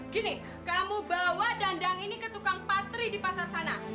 gini kamu bawa dandang ini ke tukang patri di pasar sana